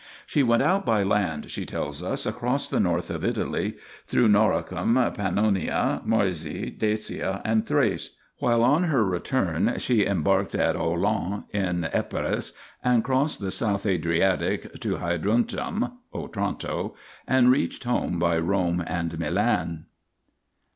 She went out by land, she tells us, across the north of Italy, through Noricum, Pannonia, Moesia, Dacia and Thrace ; while on her return she embarked at Aulon in Epirus and crossed the South Adriatic to Hydruntum (Otranto) and reached home by Rome and Milan.